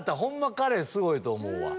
カレンすごいと思う。